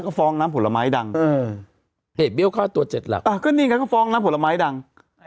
ก็ฟ้องน้ำผลไม้ดังเออเหตุเบี้ยวฆ่าตัวเจ็ดหลักอ่าก็นี่ไงก็ฟ้องน้ำผลไม้ดัง